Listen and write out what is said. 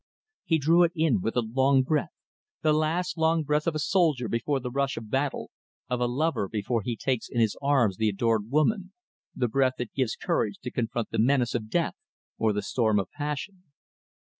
He drew it in with a long breath, the last long breath of a soldier before the rush of battle, of a lover before he takes in his arms the adored woman; the breath that gives courage to confront the menace of death or the storm of passion.